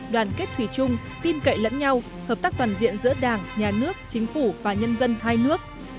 đoàn kết thủy chung tin cậy lẫn nhau hợp tác toàn diện giữa đảng nhà nước chính phủ và nhân dân hai nước